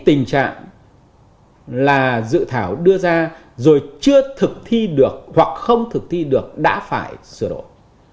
đã tránh cái tình trạng là dự thảo đưa ra rồi chưa thực thi được hoặc không thực thi được đã phải sửa đổi